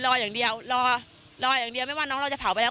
รออย่างเดียวรอรออย่างเดียวไม่ว่าน้องเราจะเผาไปแล้ว